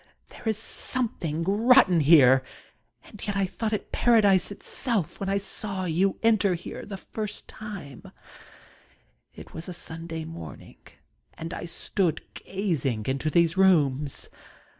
There is something rotten here. And yet thought it paradise itself when I saw you enter here the first time It was a Sunday morning, and I stood gazing into these rooms.